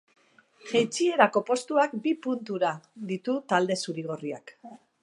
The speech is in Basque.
Jeitsierako postuak bi punura ditu talde zuri-gorriak.